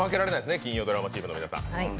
金曜ドラマチームの皆さん。